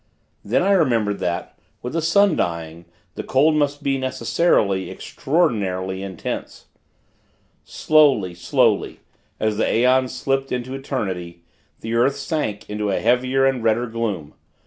Then, I remembered that, with the sun dying, the cold must be, necessarily, extraordinarily intense. Slowly, slowly, as the aeons slipped into eternity, the earth sank into a heavier and redder gloom.